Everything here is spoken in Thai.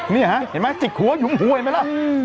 นี่ฮะเห็นไหมจิกหัวหยุมหัวเห็นไหมล่ะ